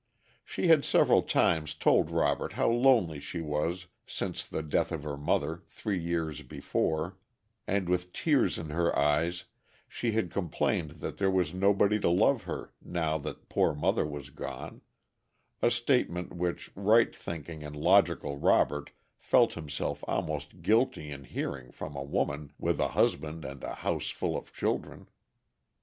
She had several times told Robert how lonely she was since the death of her mother, three years before, and with tears in her eyes she had complained that there was nobody to love her now that poor mother was gone a statement which right thinking and logical Robert felt himself almost guilty in hearing from a woman with a husband and a house full of children.